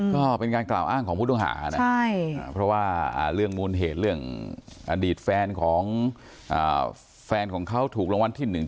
ก็เป็นการกล่าวอ้างของผู้ต้องหานะเพราะว่าเรื่องมูลเหตุเรื่องอดีตแฟนของแฟนของเขาถูกรางวัลที่หนึ่ง